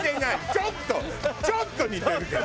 ちょっとちょっと似てるけど。